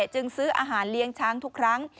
จึงซื้ออาหารเลี้ยงช้างทุกครั้ง